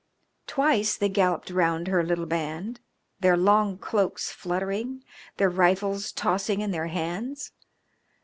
Twice they galloped round her little band, their long cloaks fluttering, their rifles tossing in their hands.